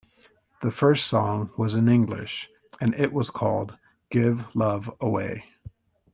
The first song was in English, and it was called "Give Love Away".